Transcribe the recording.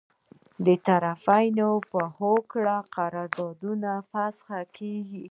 د طرفینو په هوکړه قرارداد فسخه کیږي.